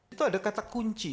itu ada kata kunci